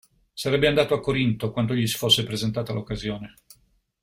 Sarebbe andato a Corinto quando gli si fosse presentata l'occasione.